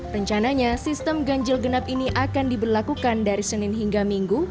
rencananya sistem ganjil genap ini akan diberlakukan dari senin hingga minggu